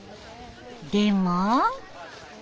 でも。